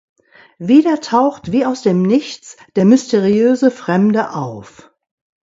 Wieder taucht wie aus dem Nichts der mysteriöse Fremde auf.